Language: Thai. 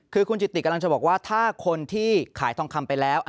คือคุณจิติกำลังจะบอกว่าถ้าคนที่ขายทองคำไปแล้ว